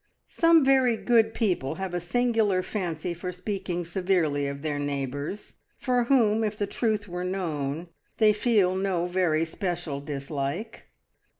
Some very good people have a singular fancy for speaking severely of their neighbours, for whom, if the truth were known, they feel no very special dislike.